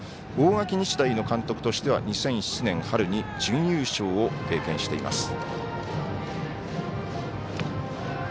大垣日大の監督としては２００７年春に準優勝を経験しています。